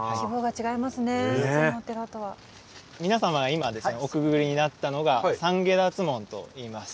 皆様が今ですねおくぐりになったのが「三解脱門」と言います。